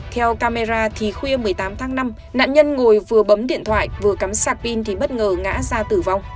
theo camera thì khuya một mươi tám tháng năm nạn nhân ngồi vừa bấm điện thoại vừa cắm sạc pin thì bất ngờ ngã ra tử vong